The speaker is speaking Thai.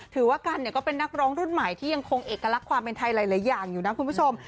ถือว่ากันเนี่ยก็เป็นนักร้องรุ่นใหม่ที่ยังคงเอกลักษณ์ความเป็นไทยหลายอย่างอยู่นะคุณผู้ชม